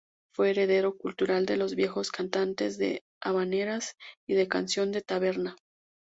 Fue heredero cultural de los viejos cantantes de habaneras y de canción de taberna.